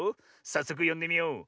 さっそくよんでみよう。